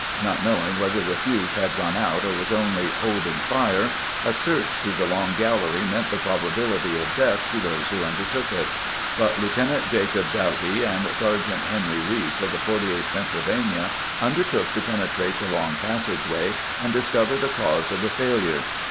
Not knowing whether the fuse had gone out or was only "holding fire," a search through the long gallery meant the probability of death to those who undertook it; but Lieutenant Jacob Douty and Sergeant Henry Reese, of the 48th Pennsylvania, un dertook to penetrate the long passageway and discover the cause of the failure.